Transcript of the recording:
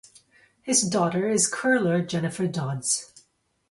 His daughter is curler Jennifer Dodds.